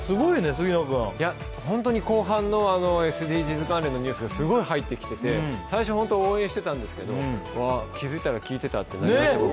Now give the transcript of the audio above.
本当に後半のＳＤＧｓ関連のニュースがすごい入ってきてて、最初、応援してたんですけど、気づいたら、聞いてたってなりました。